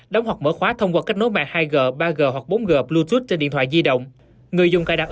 đóng hoặc mở khóa thông qua cách nối mạng hai g ba g hoặc bốn g bluetooth